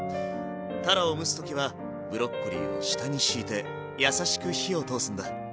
たらを蒸す時はブロッコリーを下に敷いて優しく火を通すんだ。